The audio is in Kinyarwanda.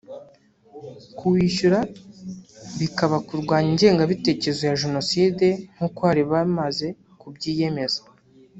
kuwishyura bikaba kurwanya ingengabitekerezo ya Jenoside nk’uko bari bamaze kubyiyemeza